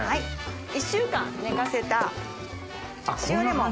１週間寝かせた塩レモン。